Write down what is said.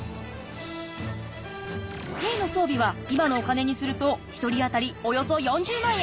兵の装備は今のお金にすると１人当たりおよそ４０万円。